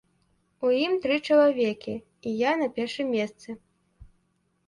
У ім тры чалавекі, і я на першым месцы.